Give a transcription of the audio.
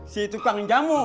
si tukang jamu